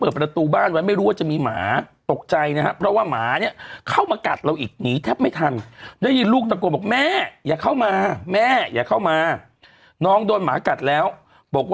อุ้ยตายโถโถโถต้องรอให้เขาออกมาพูดทั้งสองฝั่งว่ายังไง